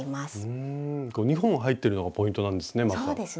２本入ってるのがポイントなんですね。